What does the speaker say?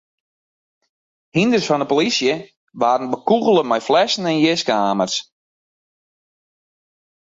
Hynders fan de polysje waarden bekûgele mei flessen en jiske-amers.